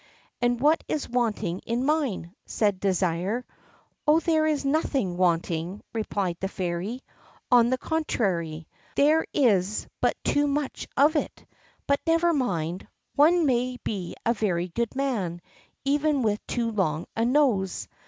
"And what is wanting in mine?" said Désir. "Oh, there is nothing wanting," replied the Fairy; "on the contrary, there is but too much of it; but never mind, one may be a very good man, even with too long a nose.